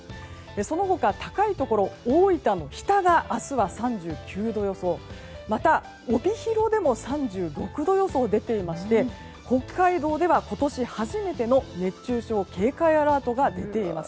その他、高いところ大分の日田が明日は３９度予想また、帯広でも３６度予想が出ていまして北海道では今年初めての熱中症警戒アラートが出ています。